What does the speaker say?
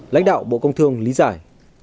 lãnh đạo bộ công thương lý giải